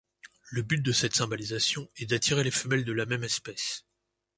Le but de cette cymbalisation est d'attirer les femelles de la même espèce.